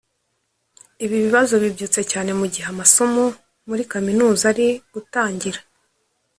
Ibi bibazo bibyutse cyane mu gihe amasomo muri Kaminuza ari gutangira